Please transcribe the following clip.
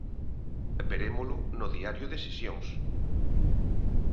Verémolo no Diario de Sesións.